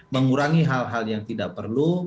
mengurangi hal hal yang tidak perlu